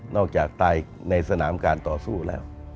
ตายในสนามการต่อสู้แล้ว